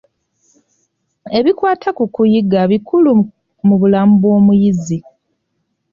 Ebikwata ku kuyigga bikulu mu bulamu bw'omuyizzi.